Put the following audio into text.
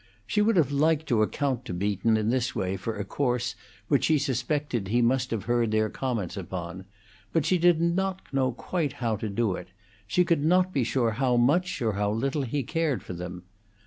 She would have liked to account to Beaton in this way for a course which she suspected he must have heard their comments upon, but she did not quite know how to do it; she could not be sure how much or how little he cared for them.